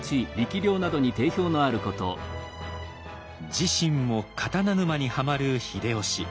自身も刀沼にはまる秀吉。